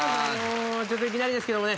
ちょっといきなりですけどもね